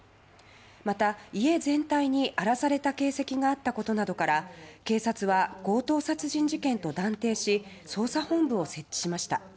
また、家全体に荒らされた形跡があったことなどから警察は、強盗殺人事件と断定し捜査本部を設置しました。